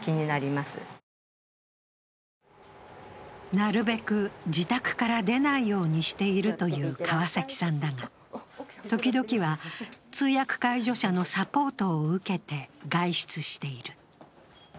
なるべく自宅から出ないようにしているという川崎さんだが時々は通訳介助者のサポートを受けて外出している。